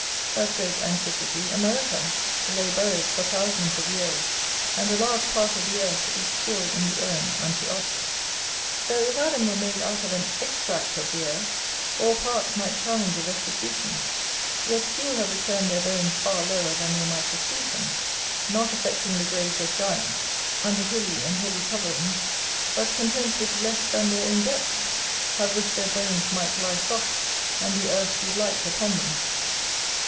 That great antiquity America lay buried for thousands of years, and a large part of the earth is still in the urn unto us. [AC] The rich mountain of Peru. Though if Adam were made out of an extract of the earth, all parts might challenge a restitution, yet few have returned their bones far lower than they might receive them; not affecting the graves of giants, under hilly and heavy coverings, but content with less than their own depth, have wished their bones might lie soft, and the earth be light upon them.